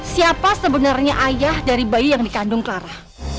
siapa sebenarnya ayah dari bayi yang dikandung clara